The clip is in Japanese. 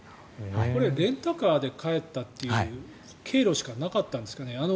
レンタカーで帰ったという経路しかなかったんですかね。